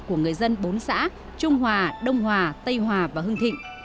của người dân bốn xã trung hòa đông hòa tây hòa và hưng thịnh